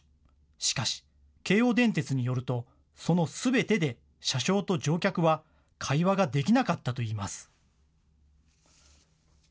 しかし、京王電鉄によると、そのすべてで車掌と乗客は会話ができなかったといいます。